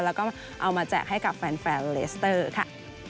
แล้วก็เอามาแจกให้กับแฟนเลสเตอร์ค่ะ